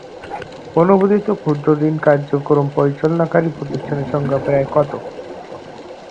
অনুমোদিত ক্ষুদ্রঋণ কার্যক্রম পরিচালনাকারী প্রতিষ্ঠানের সংখ্যা প্রায় কত?